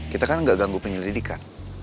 kita kan nggak ganggu penyelidikan